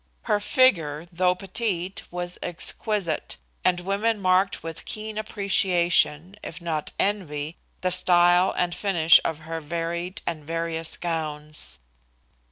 Her figure, though petite, was exquisite, and women marked with keen appreciation, if not envy, the style and finish of her varied and various gowns.